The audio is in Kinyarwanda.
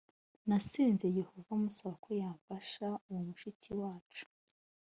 nasenze yehova musaba ko yafasha uwo mushiki wacu